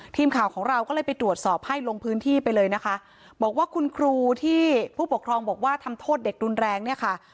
ทีมข่าวของเราก็เลยไปตรวจสอบให้ลงพื้นที่ไปเลยนะคะบอกว่าคุณครูที่ผู้ปกครองบอกว่าทำโทษเด็กรุนแรงเนี่ยค่ะ